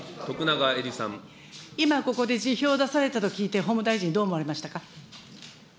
今、ここで辞表を出されたと聞いて、法務大臣、どう思われましたか。